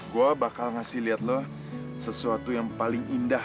gue bakal ngasih lihat lo sesuatu yang paling indah